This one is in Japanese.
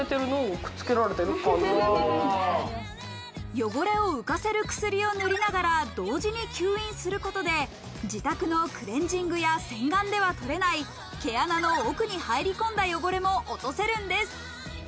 汚れを浮かせる薬を塗りながら同時に吸引することで、自宅のクレンジングや洗顔では取れない毛穴の奥に入り込んだ汚れも落とせるんです。